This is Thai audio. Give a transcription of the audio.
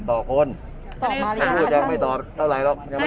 ต้องเร็วเท่าที่ทำได้